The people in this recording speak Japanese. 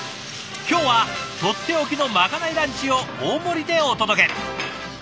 今日はとっておきのまかないランチを大盛りでお届け。